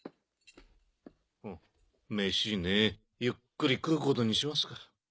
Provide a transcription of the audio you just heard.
メシねぇゆっくり食うことにしますか。